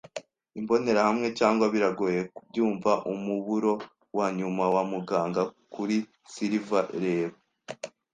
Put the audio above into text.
imbonerahamwe, cyangwa biragoye kubyumva, umuburo wa nyuma wa muganga kuri Silver, “Reba